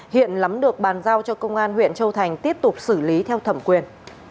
hiện lắm được bàn giao cho công an huyện châu thành tiếp tục xử lý theo thẩm quyền